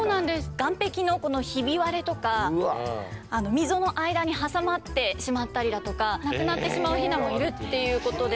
岸壁のこのひび割れとか溝の間に挟まってしまったりだとか亡くなってしまうヒナもいるっていうことで。